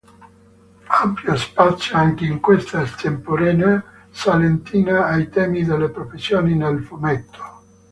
Ampio spazio, anche in questa estemporanea salentina, ai temi delle professioni del fumetto.